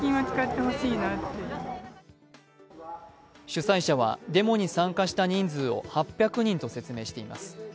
主催者はデモに参加した人数を８００人と説明しています。